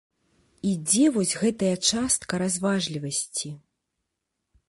І дзе вось гэтая частка разважлівасці?